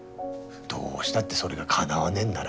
どうしたってそれがかなわねえんなら。